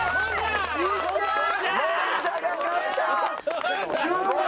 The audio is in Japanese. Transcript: もんじゃが勝った！